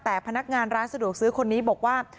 แต่พนักงานร้านสะดวกซื้อคนนี้บอกว่า